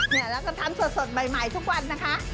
แล้วก็ทำสดใหม่ทุกวันนะคะ